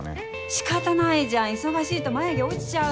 仕方ないじゃん忙しいと眉毛落ちちゃうの。